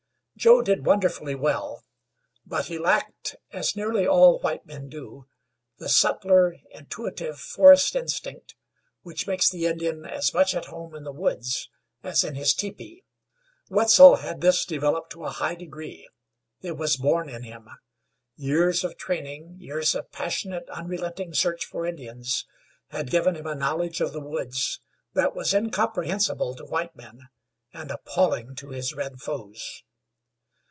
Joe did wonderfully well, but he lacked, as nearly all white men do, the subtler, intuitive forest instinct, which makes the Indian as much at home in the woods as in his teepee. Wetzel had this developed to a high degree. It was born in him. Years of training, years of passionate, unrelenting search for Indians, had given him a knowledge of the wilds that was incomprehensible to white men, and appalling to his red foes.